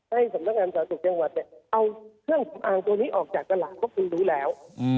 ให้สำนักงานศาสตร์ศุกร์จังหวัดเนี่ยเอาเครื่องอ่างตัวนี้ออกจากกระหลักก็คือรู้แล้ว